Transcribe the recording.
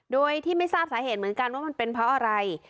โดยที่ไม่ทราบสาเหตุเหมือนกันว่ามันเป็นเพราะอะไร